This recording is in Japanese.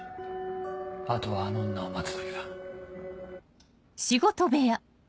あとはあの女を待つだけだ